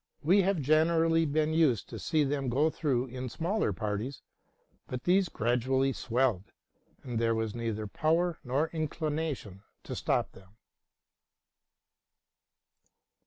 We had generally been used to see them go through in small parties ; but these gradually swelled, and there was neither power nor inclination to stop them.